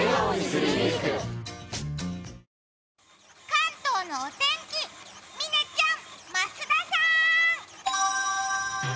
関東のお天気、嶺さん、増田さん。